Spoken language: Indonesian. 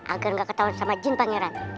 agar gak ketahuan sama jin pangeran